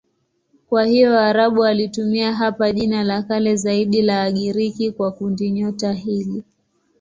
Kwa hiyo Waarabu walitumia hapa jina la kale zaidi la Wagiriki kwa kundinyota hili.